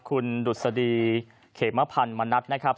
คุณดุษฎีเขมพันธ์มณัฐนะครับ